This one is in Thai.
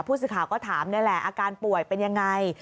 พูดขาย็ก็ถามเนี่ยแหล่าอาการป่วยเป็นยังไง